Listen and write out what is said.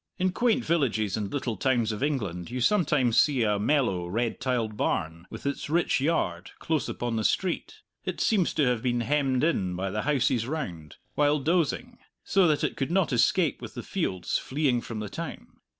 In quaint villages and little towns of England you sometimes see a mellow red tiled barn, with its rich yard, close upon the street; it seems to have been hemmed in by the houses round, while dozing, so that it could not escape with the fields fleeing from the town.